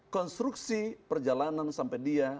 konstruksi perjalanan sampai dia